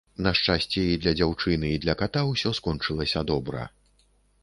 На шчасце, і для дзяўчыны, і для ката ўсё скончылася добра.